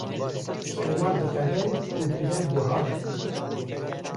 serma diqede û dibe bihar